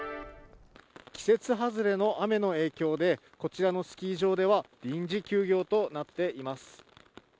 季節外れの雨の影響で、こちらのスキー場では臨時休業となっています。